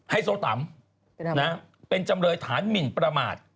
ให้โทษต่ำเป็นจำเลยฐานหมิ่นประมาท